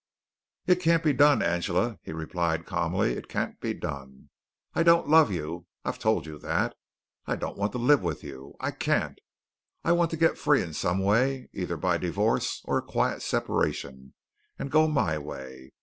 "It can't be done, Angela," he replied calmly. "It can't be done. I don't love you. I've told you that. I don't want to live with you. I can't. I want to get free in some way, either by divorce, or a quiet separation, and go my way.